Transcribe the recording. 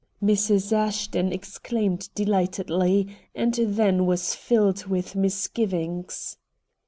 Mrs. Ashton exclaimed delightedly, and then was filled with misgivings.